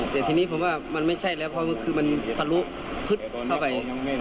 แต่ทีนี้ผมว่ามันไม่ใช่แล้วเพราะคือมันทะลุพึดเข้าไป